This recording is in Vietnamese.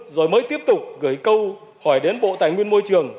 rồi mới tiếp tục gửi câu hỏi đến bộ tài nguyên môi trường